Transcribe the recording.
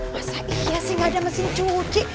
masa iya sih gak ada mesin cuci